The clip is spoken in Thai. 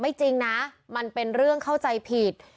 จริงนะมันเป็นเรื่องเข้าใจผิด